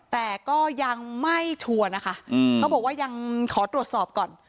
แต่ก็ยังไม่ชัวร์นะคะเขาบอกว่ายังขอตรวจสอบก่อน